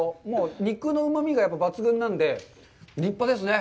肉のうまみが抜群なので、立派ですね。